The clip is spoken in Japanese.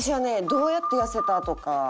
「どうやって痩せた？」とか。